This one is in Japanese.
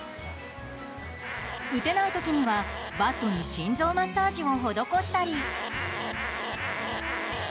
打てない時にはバットに心臓マッサージを施したり。